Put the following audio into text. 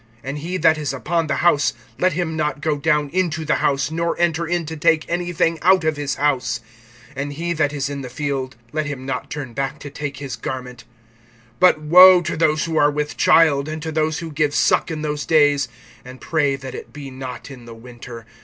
(15)And he that is upon the house, let him not go down into the house, nor enter in to take anything out of his house. (16)And he that is in the field, let him not turn back to take his garment. (17)But woe to those who are with child, and to those who give suck in those days! (18)And pray that it be not in the winter.